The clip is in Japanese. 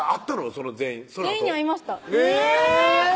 その全員全員に会いましたえぇ！